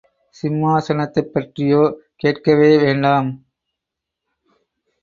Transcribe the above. சிம்மாசனத்தைப் பற்றியோ கேட்கவே வேண்டாம்.